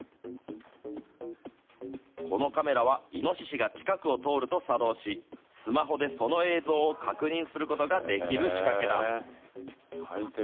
このカメラは、イノシシが近くを通ると作動し、スマホでその映像を確認することができる仕掛けだ。